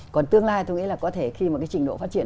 còn tương lai tôi nghĩ là có thể khi mà cái trình độ phát triển